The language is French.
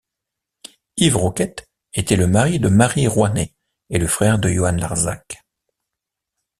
Yves Rouquette était le mari de Marie Rouanet et le frère de Joan Larzac.